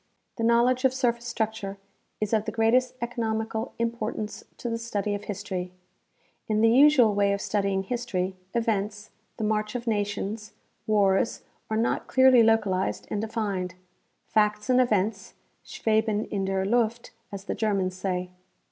The knowledge of sur face structure is of the greatest economical importance to the study of history. In the usual way of studying history, events, the march of nations, wars, are not clearly localized and defined. Facts and events " schweben in der Luft," as the Germans say.